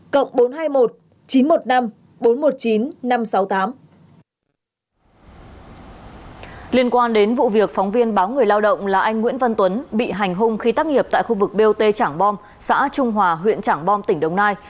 công an huyện trảng bom vừa cho biết hai đối tượng nghi vấn hành hung phóng viên nguyễn văn tuấn bị hành hung khi tắc nghiệp tại khu vực bot trảng bom xã trung hòa huyện trảng bom tỉnh đồng nai